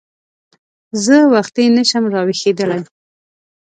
زه وختي نه شم راویښېدلی !